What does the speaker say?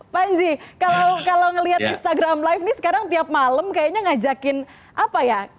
panji kalau ngelihat instagram live nih sekarang tiap malam kayaknya ngajakin apa ya